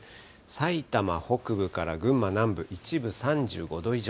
埼玉北部から群馬南部、一部３５度以上。